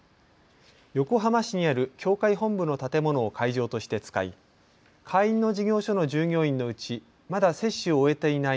横浜市にある協会本部の建物を会場として使い会員の事業所の従業員のうちまだ接種を終えていない